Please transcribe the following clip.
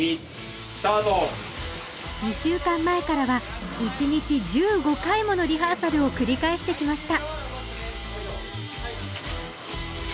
２週間前からは１日１５回ものリハーサルを繰り返してきました